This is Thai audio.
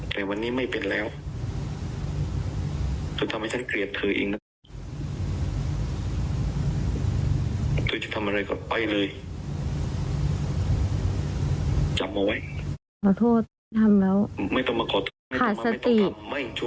ขาดสติ